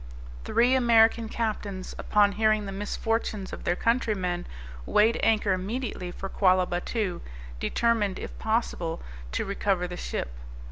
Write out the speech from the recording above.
Three American captains, upon hearing the misfortunes of their countrymen, weighed anchor immediately for Quallah Battoo, determined, if possible, to recover the ship.